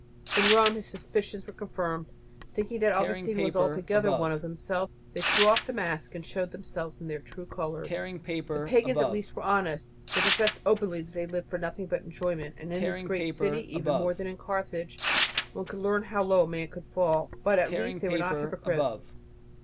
In Rome his suspicions were confirmed. Thinking that Augustine was altogether one of themselves, they threw off the mask and showed themselves in their true colours. The pagans at least were honest. They professed openly that they lived for nothing but enjoyment, and in this great city, even more than in Carthage, one could learn how low a man might fall; but at least they were not hypocrites.